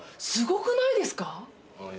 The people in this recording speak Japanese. すごくないですか？